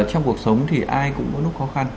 trong cuộc sống thì ai cũng có lúc khó khăn